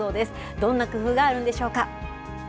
どんな工夫があるんでしょうか。